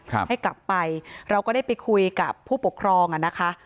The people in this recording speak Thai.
ให้กลับไปเราก็ได้ไปคุยกับผู้ปกครองอ่ะนะคะ